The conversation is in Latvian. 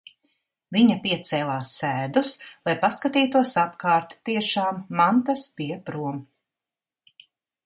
Viņa piecēlās sēdus, lai paskatītos apkārt. Tiešām, mantas bija prom.